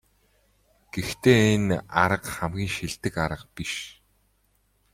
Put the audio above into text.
Гэхдээ энэ арга хамгийн шилдэг арга биш.